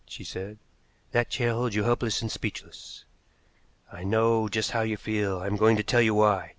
she said. "That chair holds you helpless and speechless. I know just how you feel. I am going to tell you why.